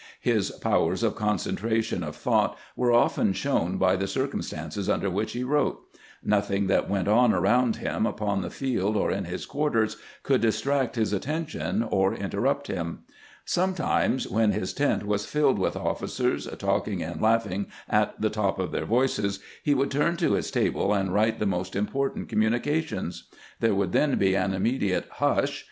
His powers of concentration of thought were often shown by the circumstances under which he wrote. Nothing that went on around him, upon the field or in his quarters, could distract his at tention or interrupt him. Sometimes, when his tent was fiUed with ofi&cers, talking and laughing at the top of their voices, he would turn to his table and write the most important communications. There would then be an immediate " Hush !